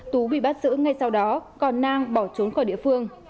tú bị bắt giữ ngay sau đó còn nang bỏ trốn khỏi địa phương